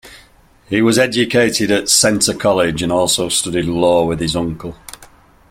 He was educated at Centre College and also studied law with his uncle.